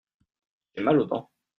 J'ai mal aux dents.